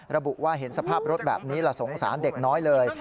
ระบุว่าเห็นสภาพรถแบบนี้ละสงสารเด็กน้อยเลย